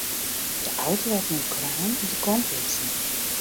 De auto waard mei in kraan op de kant lutsen.